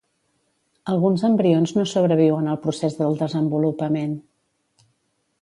Alguns embrions no sobreviuen al procés del desenvolupament.